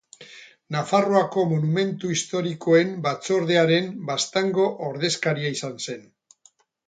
Nafarroako Monumentu Historikoen Batzordearen Baztango ordezkaria izan zen.